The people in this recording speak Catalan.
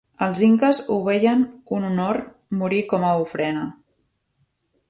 El inques ho veien un honor morir com a ofrena.